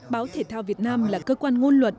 báo thể thao việt nam là cơ quan ngôn luận